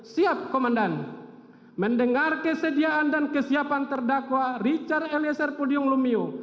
siap komandan mendengar kesediaan dan kesiapan terdakwa richard eliezer pudium lumiu